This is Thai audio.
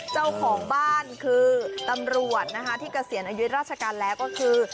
เจ้าของบ้านคือตำรวจนะคะที่เกษียณอายุราชการแล้วก็คือ